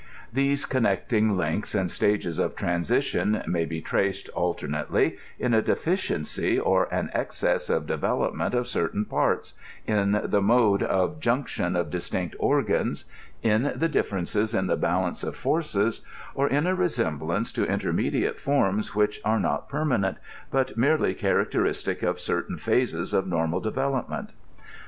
These connecting links and stages of transition may be traced, alternately, in a deficiency or an excess of d^ velopment of certain parts, in the mode of junction of distinct organs, in the difierences in the balance of forces, or in a re semblance to intermediate forms which toe not permanent, but merely characteristic of certain phases of normal devel opment.